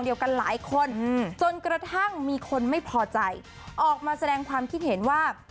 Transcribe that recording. ยังมีคนไม่พอใจออกมาแสดงความคิดเห็นว่า